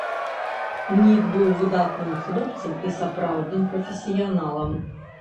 Нік быў выдатным хлопцам і сапраўдным прафесіяналам.